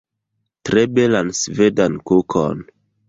Tre belan svedan kukon